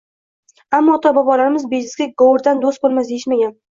Ammo, ota-bobolarimiz bejizga «Govurdan do'st bo'lmas» deyishmagan.